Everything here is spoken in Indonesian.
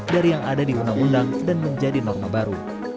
dari yang ada di undang undang dan menjadi norma baru